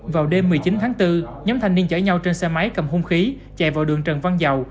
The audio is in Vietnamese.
vào đêm một mươi chín tháng bốn nhóm thanh niên chở nhau trên xe máy cầm hung khí chạy vào đường trần văn dầu